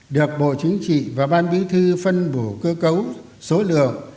được bộ chính trị và ban bí thư phân bổ cơ cấu số lượng